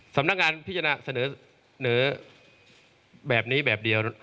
สำนักงานพิจารณาเสนอแบบนี้แบบเดียว